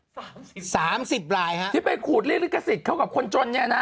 สามสิบสามสิบลายครับที่เป็นขูดลิขสิทธิ์เขากับคนจนเนี้ยน่ะ